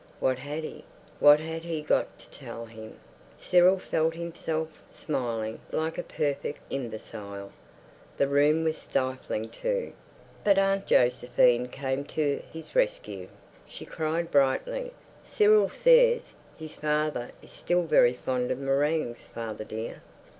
What had he, what had he got to tell him? Cyril felt himself smiling like a perfect imbecile. The room was stifling, too. But Aunt Josephine came to his rescue. She cried brightly, "Cyril says his father is still very fond of meringues, father dear."